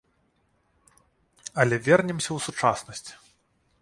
Але вернемся ў сучаснасць.